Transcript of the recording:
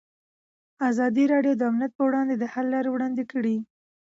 ازادي راډیو د امنیت پر وړاندې د حل لارې وړاندې کړي.